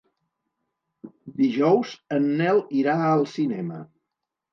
Dijous en Nel irà al cinema.